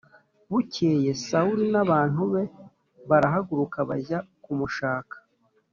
Bukeye Sawuli n’abantu be barahaguruka bajya kumushaka